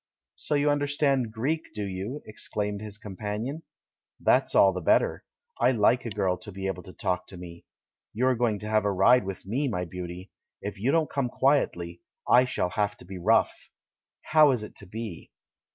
"So you understand Greek, do you?" ex claimed his companion. "That's all the better — I like a girl to be able to talk to me! You are going to have a ride with me, my beauty. If you don't come quietly, I shall have to be rough ! How is it to be?"